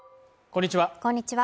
こんにちは